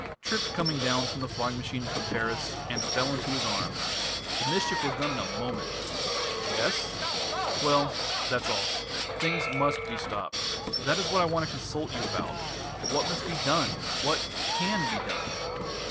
"Tripped coming down from the flying machine from Paris and fell into his arms. The mischief was done in a moment!" "Yes?" "Well that's all. Things must be stopped. That is what I want to consult you about. What must be done? What can be done?